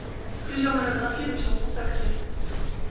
Plusieurs monographies lui sont consacrées.